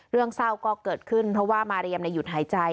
เรื่องเศร้าก็เกิดขึ้นเพราะว่ามาเรียมหยุดหายใจ